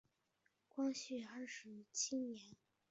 光绪二十七年参加乡试中举人。